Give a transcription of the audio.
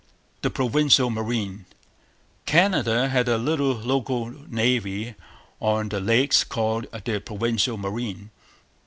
The Provincial Marine. Canada had a little local navy on the Lakes called the Provincial Marine.